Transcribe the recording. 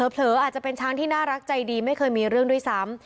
เผลออาจจะเป็นช้างที่น่ารักใจดีไม่เคยมีเรื่องด้วยซ้ำ